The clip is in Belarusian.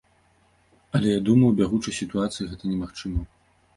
Але я думаю, у бягучай сітуацыі гэта немагчыма.